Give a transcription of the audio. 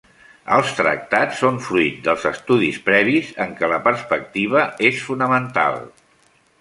Els tractats són fruit dels estudis previs en què la perspectiva és fonamental.